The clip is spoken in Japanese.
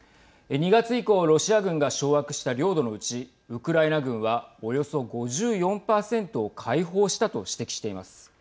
２月以降ロシア軍が掌握した領土のうちウクライナ軍は、およそ５４％を解放したと指摘しています。